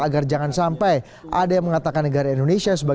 ada yang ngomong indonesia bubar